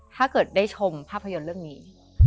ถ้าเกิดได้ชมภาพยนตร์เรื่องนี้